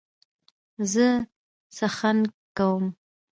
زه څخنک کوم.